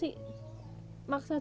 ini adalah sakit